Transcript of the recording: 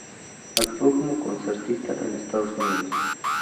Actuó como concertista en Estados Unidos.